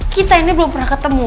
kita ini belum pernah ketemu